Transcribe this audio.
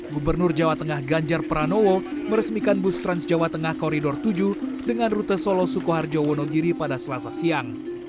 gubernur jawa tengah ganjar pranowo meresmikan bus trans jawa tengah koridor tujuh dengan rute solo sukoharjo wonogiri pada selasa siang